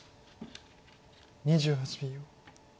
２８秒。